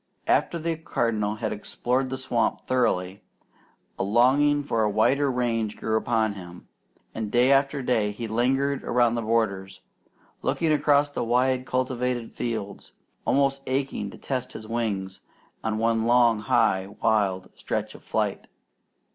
After the Cardinal had explored the swamp thoroughly, a longing for a wider range grew upon him; and day after day he lingered around the borders, looking across the wide cultivated fields, almost aching to test his wings in one long, high, wild stretch of flight.